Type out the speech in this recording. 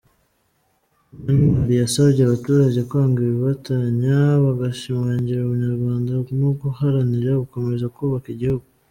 Munyantwali yasabye abaturage kwanga ibibatanya bagashimangira ubunyarwanda no guharanira gukomeza kubaka igihugu.